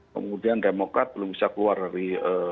kemudian demokrat belum bisa keluar dari